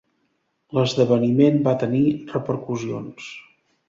L'esdeveniment va tenir repercussions.